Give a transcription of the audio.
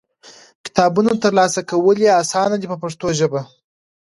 کتابونه ترلاسه کول یې اسانه دي په پښتو ژبه.